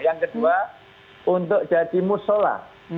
yang kedua untuk jadi musola